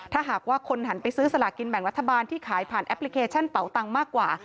ถ้าหากว่าคนหันไปซื้อสลากินแบ่งรัฐบาลที่ขายผ่านแอปพลิเคชันเป่าตังค์มากกว่า